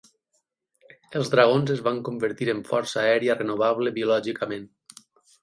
Els dragons es van convertir en força aèria renovable biològicament.